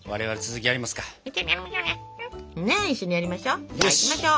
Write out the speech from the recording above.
じゃあ一緒にやりましょう。